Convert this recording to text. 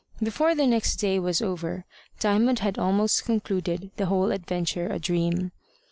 Before the next day was over, Diamond had almost concluded the whole adventure a dream.